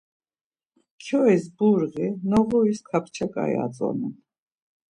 Kyouris burği, noğuris kapça ǩai atzonen.